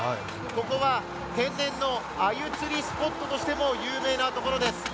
ここは天然の鮎釣りスポットとしても有名なところです。